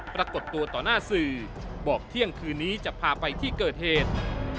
ปรากฏตัวต่อหน้าสื่อบอกเที่ยงคืนนี้จะพาไปที่เกิดเหตุ